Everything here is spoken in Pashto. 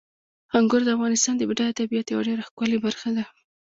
انګور د افغانستان د بډایه طبیعت یوه ډېره ښکلې برخه ده.